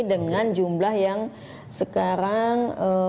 dengan jumlah yang sekarang